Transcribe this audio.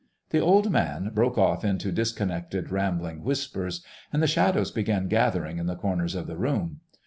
The old man broke off into disconnected, rambling whispers, and the shadows began gathering in the corners of the room.